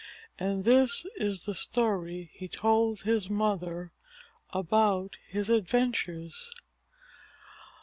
And this is the story he told his mother about his adventures.